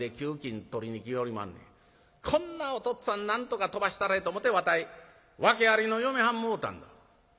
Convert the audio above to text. こんなおとっつぁんなんとか飛ばしたれと思てわたい訳ありの嫁はんもうたんだ」。